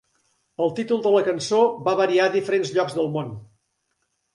El títol de la cançó va variar a diferents llocs del món.